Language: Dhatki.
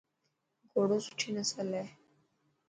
گهوڙو سٺي نسل هي.